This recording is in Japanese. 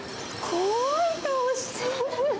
怖い顔してる。